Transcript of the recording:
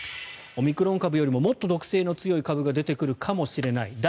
オミクロン株よりももっと毒性の強い株が出てくるかもしれない。